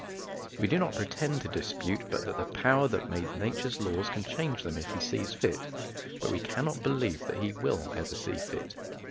We do not pretend to dispute but that the Power that made nature's laws can change them if He sees fit; but we cannot believe that He will ever see fit.